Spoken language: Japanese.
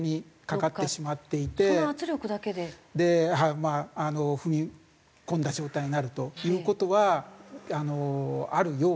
まあ踏み込んだ状態になるという事はあるようですね。